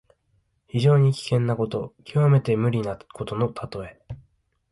非常に危険なこと、きわめて無理なことのたとえ。